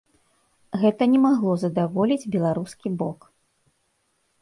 Гэта не магло задаволіць беларускі бок.